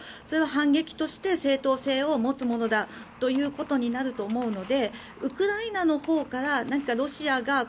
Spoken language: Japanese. それは反撃として正当性を持つものだということになると思うのでウクライナのほうからロシアが。